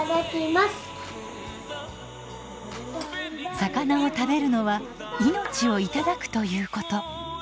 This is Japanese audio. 魚を食べるのは命をいただくということ。